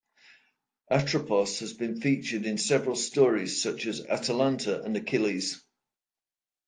Atropos has been featured in several stories such as Atalanta and Achilles.